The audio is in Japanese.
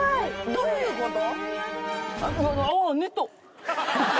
どういうこと？